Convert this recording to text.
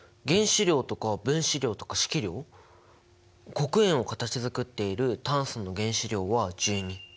黒鉛を形づくっている炭素の原子量は１２。